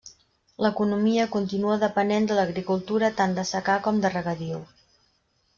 L'economia continua depenent de l'agricultura tant de secà com de regadiu.